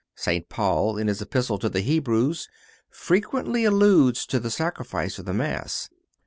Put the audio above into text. St. Paul, in his Epistle to the Hebrews, frequently alludes to the Sacrifice of the Mass.